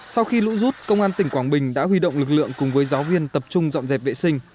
sau khi lũ rút công an tỉnh quảng bình đã huy động lực lượng cùng với giáo viên tập trung dọn dẹp vệ sinh